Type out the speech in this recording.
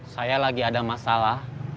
saya lagi ada masalah